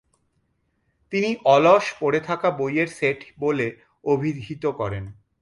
তিনি 'অলস পড়ে থাকা বইয়ের সেট' বলে অভিহিত করেন।